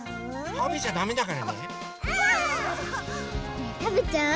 ねえたべちゃう？